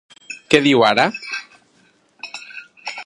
Què diu ara?